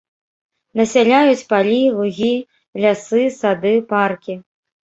Насяляюць палі, лугі, лясы, сады, паркі.